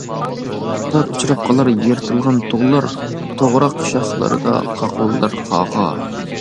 پات-پات ئۇچراپ قالار يىرتىلغان تۇغلار، توغراق شاخلىرىدا قاقىلدار قاغا.